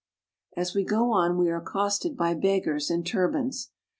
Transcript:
As we go on we are accosted by beggars in tur bans.